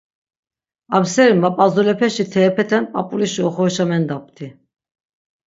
Am seri map̆azulepeşi teepeten p̆ap̆ulişi oxorişa mendapti.